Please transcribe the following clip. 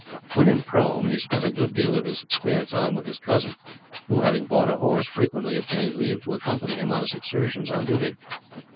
When in Prome, he spent a good deal of his spare time with his cousin who, having bought a horse, frequently obtained leave to accompany him on his excursions on duty.